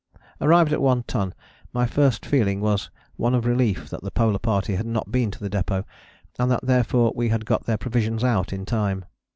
Arrived at One Ton my first feeling was one of relief that the Polar Party had not been to the Depôt and that therefore we had got their provisions out in time.